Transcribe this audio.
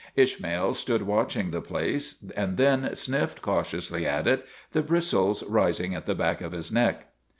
Ish mael stood watching the place, and then sniffed cau tiously at it, the bristles rising at the back of his neck.